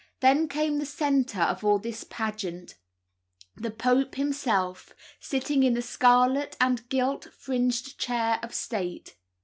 Then came the centre of all this pageant, the Pope himself, sitting in a scarlet and gilt fringed chair of state.